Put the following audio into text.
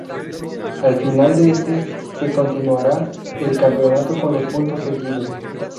Al final de este se continuará el campeonato con los puntos conseguidos.